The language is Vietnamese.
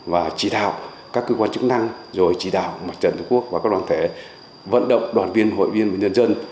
và chỉ đạo các cơ quan chức năng rồi chỉ đạo mặt trận thương quốc và các đoàn thể vận động đoàn viên hội viên và nhân dân